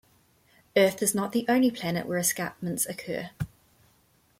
Earth is not the only planet where escarpments occur.